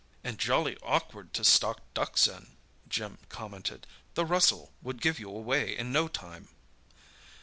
"And jolly awkward to stalk ducks in," Jim commented, "the rustle would give you away in no time."